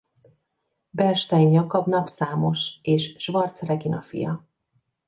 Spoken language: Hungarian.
Bernstein Jakab napszámos és Schwartz Regina fia.